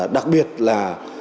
đặc biệt là